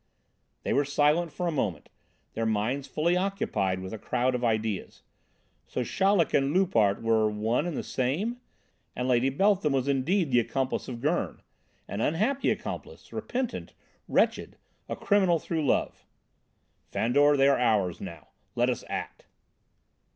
They were silent for a moment, their minds fully occupied with a crowd of ideas. So Chaleck and Loupart were one and the same? And Lady Beltham was indeed the accomplice of Gurn. An unhappy accomplice, repentant, wretched, a criminal through love. "Fandor, they are ours now. Let us act!"